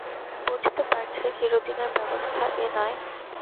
বুঝতে পারছে চিরদিনের ব্যবস্থা এ নয়।